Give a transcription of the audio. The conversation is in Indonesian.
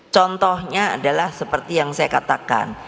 contohnya adalah seperti yang saya katakan